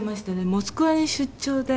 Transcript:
モスクワに出張で」